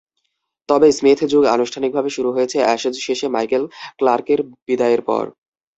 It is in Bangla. তবে স্মিথ-যুগ আনুষ্ঠানিকভাবে শুরু হয়েছে অ্যাশেজ শেষে মাইকেল ক্লার্কের বিদায়ের পর।